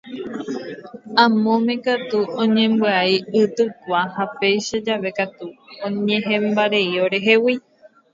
Amóme katu oñembyai y tykua ha péicha jave katu oñehẽmbarei orehegui.